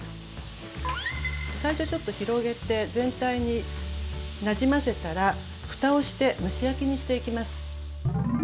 最初ちょっと広げて全体になじませたらふたをして蒸し焼きにしていきます。